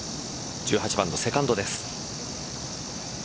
１８番のセカンドです。